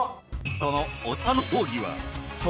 そのおいしさの奥義は。